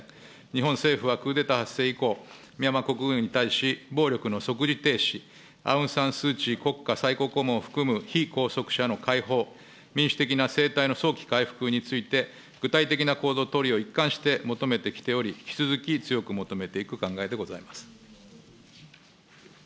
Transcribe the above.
日本政府はクーデター発生以降、ミャンマー国軍に対し、暴力の即時停止、アウン・サン・スー・チー氏を含む被拘束者の解放、民主的な政体の早期回復について具体的な行動を取るよう一貫して求めてきており、引き続き強く求めていく考えでございます。